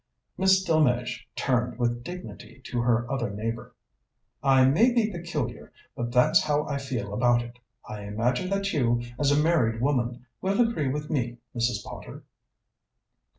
Miss Delmege turned with dignity to her other neighbour. "I may be peculiar, but that's how I feel about it. I imagine that you, as a married woman, will agree with me, Mrs. Potter?"